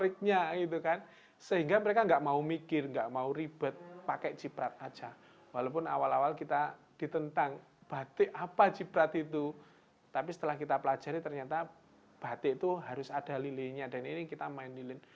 kita pelajari ternyata batik itu harus ada lilinya dan ini kita main lilin